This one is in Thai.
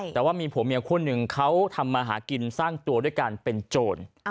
แต่ว่ามีผัวเมียคู่หนึ่งเขาทำมาหากินสร้างตัวด้วยการเป็นโจร